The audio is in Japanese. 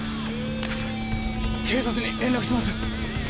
警察に連絡します！